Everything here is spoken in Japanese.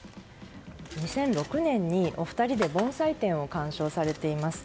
２００６年にお二人で盆栽展を鑑賞されています。